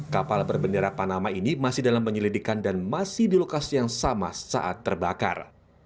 kapal berbendera panama ini masih dalam penyelidikan dan masih di lokasi yang sama saat terbakar